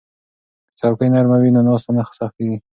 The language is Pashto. که څوکۍ نرمه وي نو ناسته نه سختیږي.